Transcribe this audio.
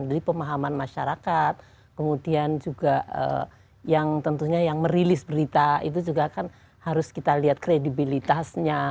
dari pemahaman masyarakat kemudian juga yang tentunya yang merilis berita itu juga kan harus kita lihat kredibilitasnya